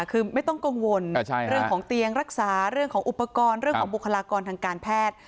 คือไม่ต้องกังวลเรื่องของเตียงรักษาเรื่องของอุปกรณ์เรื่องของบุคลากรทางการแพทย์